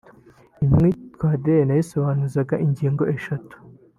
Imyitwarire ye nayisobanuzaga ingingo eshatu